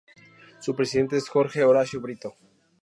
Su presidente es Jorge Horacio Brito.